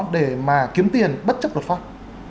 để mà kiếm tiền bất chấp luật pháp